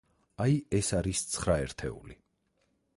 აი, ეს არის ცხრა ერთეული.